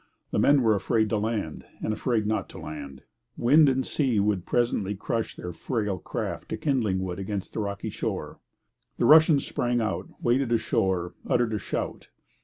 The men were afraid to land, and afraid not to land. Wind and sea would presently crush their frail craft to kindling wood against the rocky shore. The Russians sprang out, waded ashore, uttered a shout!